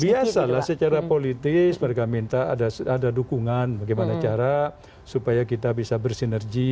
biasalah secara politis mereka minta ada dukungan bagaimana cara supaya kita bisa bersinergi